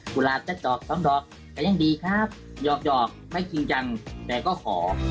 กูราบจะจอกซ้ำดอกแต่ยังดีครับหยอกไม่จริงจังแต่ก็ขอ